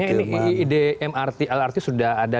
ini ide mrt lrt sudah ada